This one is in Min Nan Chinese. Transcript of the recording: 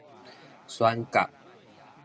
選角